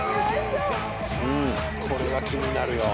これは気になるよ。